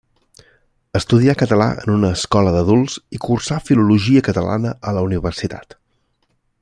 Estudià català en una escola d'adults i cursà Filologia Catalana a la universitat.